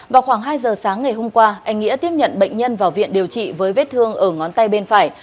vào khoảng hai giờ sáng ngày hôm qua anh nghĩa tiếp nhận bệnh nhân vào viện điều trị với vết thương ở ngón tay bên phải